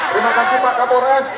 terima kasih pak kapolres